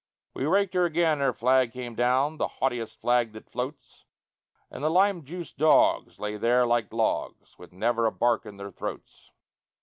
We raked her again, and her flag came down, The haughtiest flag that floats, And the lime juice dogs lay there like logs, With never a bark in their throats.